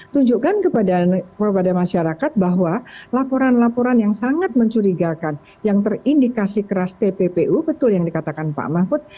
tunjukkan kepada masyarakat bahwa laporan laporan yang sangat mencurigakan yang terindikasi keras tppu betul yang dikatakan pak mahfud